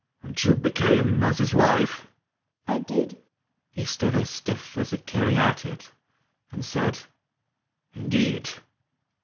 "And you became as his wife?"—"I did."— He stood as stiff as a caryatid, And said, "Indeed!